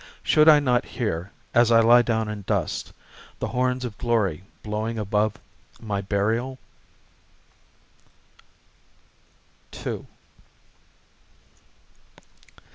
Should I not hear, as I lie down in dust, The horns of glory blowing above my burial?